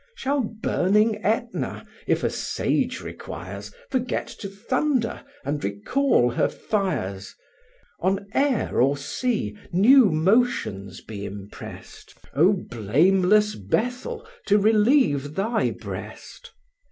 Shall burning Etna, if a sage requires, Forget to thunder, and recall her fires? On air or sea new motions be imprest, Oh, blameless Bethel! to relieve thy breast?